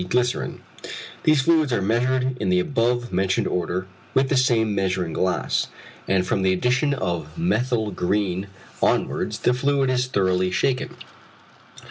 Glycerine These fluids are measured in the above mentioned order, with the same measuring glass; and from the addition of methyl green onwards the fluid is thoroughly shaken.